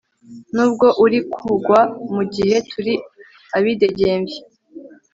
nubwo uri kugwa, mugihe turi abidegemvya